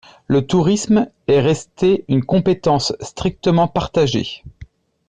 Le tourisme est resté une compétence strictement partagée.